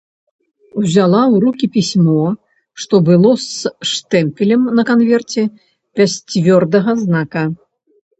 Узяла ў рукі пісьмо, што было з штэмпелем на канверце без цвёрдага знака.